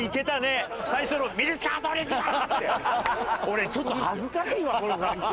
俺ちょっと恥ずかしいわこの環境は。